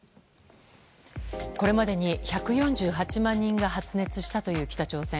これまでに１４８万人が発熱したという北朝鮮。